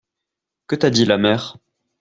Que t'a dit la mère?